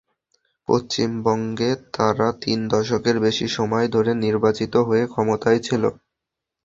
পশ্চিমবঙ্গে তারা তিন দশকের বেশি সময় ধরে নির্বাচিত হয়ে ক্ষমতায় ছিল।